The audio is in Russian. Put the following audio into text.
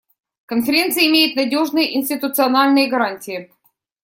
Конференция имеет надежные институциональные гарантии.